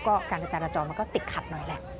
ก็การจราจรมันก็ติดขัดหน่อยแหละ